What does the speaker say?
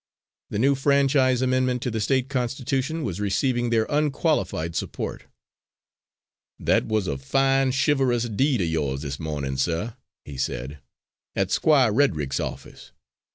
The new franchise amendment to the State constitution was receiving their unqualified support. "That was a fine, chivalrous deed of yours this morning, sir," he said, "at Squire Reddick's office.